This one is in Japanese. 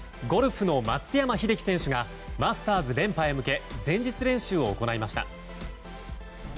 ゴルフの松山英樹選手がマスターズ連覇へ向け前日練習を行いました。